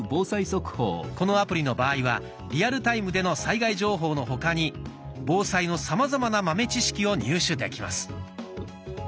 このアプリの場合はリアルタイムでの災害情報の他に防災のさまざまな豆知識を入手できます。